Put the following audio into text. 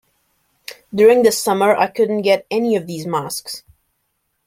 During the summer, I couldn't get any of these masks.